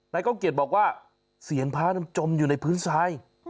นายกล้องเกียจบอกว่าเซียนพระนั้นจมอยู่ในพื้นทราย